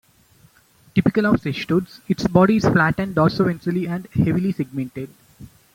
Typical of cestodes, its body is flattened dorsoventrally and heavily segmented.